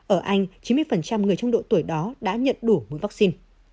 ở anh chín mươi người trong độ tuổi đó đã nhận đủ vaccine